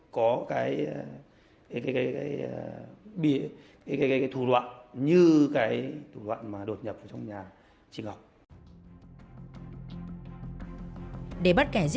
chính địa bàn gây ra